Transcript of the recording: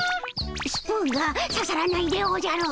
スプーンがささらないでおじゃる。